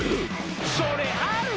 それある！